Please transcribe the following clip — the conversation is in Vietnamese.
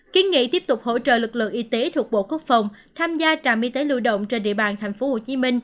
kiến nghị tiếp tục hỗ trợ lực lượng y tế thuộc bộ quốc phòng tham gia trạm y tế lưu động trên địa bàn tp hcm